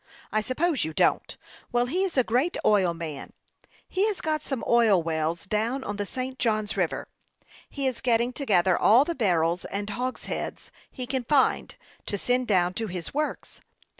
I suppose you don't. Well, he is a great oil man ; he has got some oil wells down on the St. Johns River. He is getting together all the barrels and hogsheads he can find, to send down to his works.